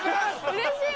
うれしい！